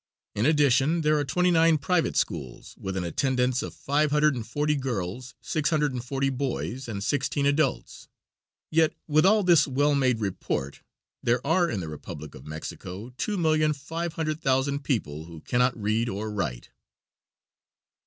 In addition, there are twenty nine private schools, with an attendance of five hundred and forty girls, six hundred and forty boys and sixteen adults; yet, with all this well made report, there are in the Republic of Mexico two million five hundred thousand people who cannot read or write.